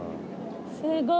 すごい。